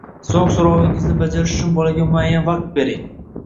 So‘ng so‘rovingizni bajarishi uchun bolaga muayyan vaqt bering